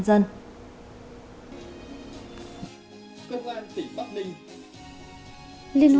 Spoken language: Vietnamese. công an tỉnh bắc ninh